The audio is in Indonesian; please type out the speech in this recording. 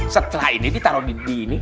setelah ini ditaruh di ini